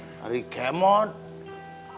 neng kamu kelihatan kecewa